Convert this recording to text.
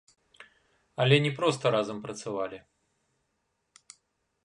Але не проста разам працавалі.